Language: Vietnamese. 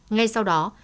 ngay sau đó